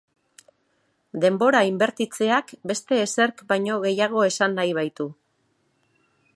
Denbora inbertitzeak beste ezerk baino gehiago esan nahi baitu.